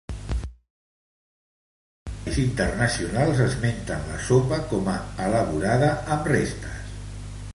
Alguns receptaris internacionals esmenten la sopa com a elaborada amb restes.